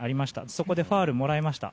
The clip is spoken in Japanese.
そこでファウルをもらいました。